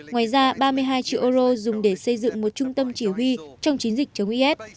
ngoài ra ba mươi hai triệu euro dùng để xây dựng một trung tâm chỉ huy trong chiến dịch chống is